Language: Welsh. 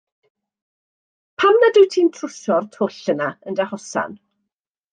Pam nad wyt ti'n trwsio'r twll yna yn dy hosan?